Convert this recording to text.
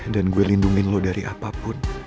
dan gue lindungin lo dari apapun